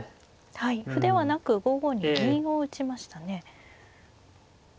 はい歩ではなく５五に銀を打ちましたね。